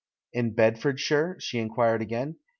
"In Bedfordshire?" she inquired again.